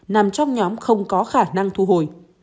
nằm trong nhóm không có khả năng thu hồi